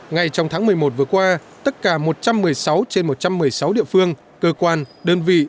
ngay trong tháng một mươi một vừa qua tất cả một trăm một mươi sáu trên một trăm một mươi sáu địa phương cơ quan đơn vị